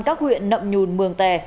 các huyện nậm nhùn mường tè